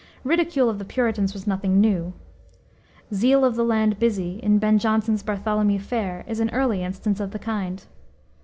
Ridicule of the Puritans was nothing new. Zeal of the land Busy, in Ben Jonson's Bartholomew Fair, is an early instance of the kind.